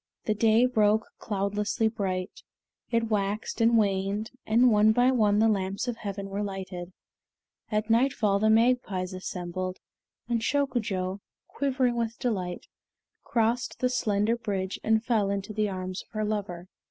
The day broke cloudlessly bright. It waxed and waned, and one by one the lamps of heaven were lighted. At nightfall the magpies assembled, and Shokujo, quivering with delight, crossed the slender bridge and fell into the arms of her lover.